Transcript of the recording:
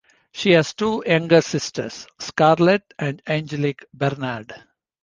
She has two younger sisters, Scarlett and Angelique Bernard.